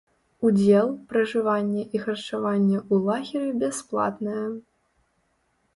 Удзел, пражыванне і харчаванне ў лагеры бясплатнае.